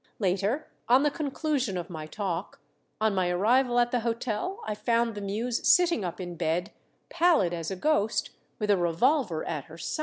Later, on the conclusion of my talk, on my arrival at the hotel, I found the Muse sitting up in bed, pallid as a ghost, with a revolver at her side.